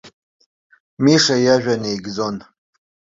Миша иажәа неигӡон.